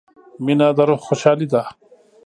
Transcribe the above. • مینه د روح خوشحالي ده.